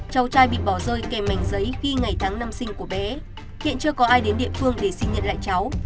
cháu trai bị bỏ rơi kèm mảnh giấy khi ngày tháng năm sinh của bé hiện chưa có ai đến địa phương để xin nhận lại cháu